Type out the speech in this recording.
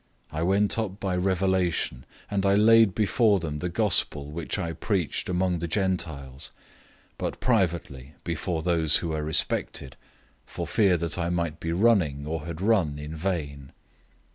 002:002 I went up by revelation, and I laid before them the Good News which I preach among the Gentiles, but privately before those who were respected, for fear that I might be running, or had run, in vain.